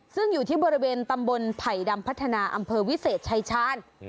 ซึ่งอยู่ที่บริเวณตำบลไผ่ดำพัฒนาอำเภอวิเศษชายชาญ